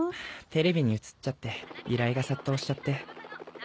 テレビに映っちゃって依頼が殺到しちゃって。